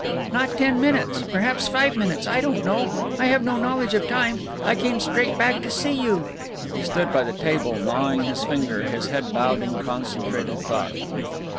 "Not ten minutes, perhaps five minutes, I don't know. I have no knowledge of time. I came straight back to see you." He stood by the table, gnawing his finger, his head bowed in concentrated thought.